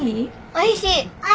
美味しい！